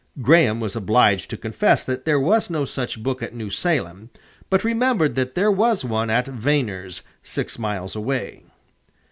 Graham was obliged to confess that there was no such book at New Salem, but remembered that there was one at Vaner's, six miles away.